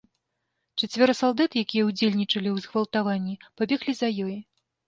Чацвёра салдат, якія ўдзельнічалі ў згвалтаванні, пабеглі за ёй.